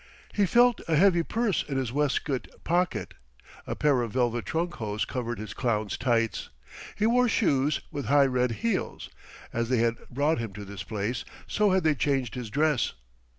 He felt a heavy purse in his waistcoat pocket. A pair of velvet trunk hose covered his clown's tights. He wore shoes with high red heels. As they had brought him to this palace, so had they changed his dress.